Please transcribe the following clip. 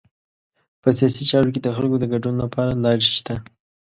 په سیاسي چارو کې د خلکو د ګډون لپاره لارې شته.